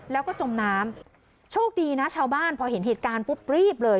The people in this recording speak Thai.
แล้วก็จมน้ำโชคดีนะชาวบ้านพอเห็นเหตุการณ์ปุ๊บรีบเลย